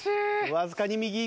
わずかに右。